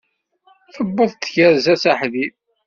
Tewweḍ tyerza s aḥdid.